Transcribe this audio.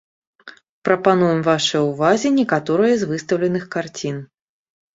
Прапануем вашай увазе некаторыя з выстаўленых карцін.